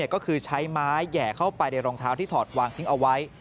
ก็คือใช้ไม้แห่เข้าไปในรองเท้าที่ถอดวางทิ้งเอาไว้